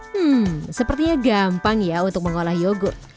hmm sepertinya gampang ya untuk mengolah yogurt